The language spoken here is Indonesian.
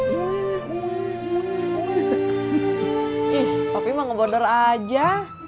ih papi mau ngebodor aja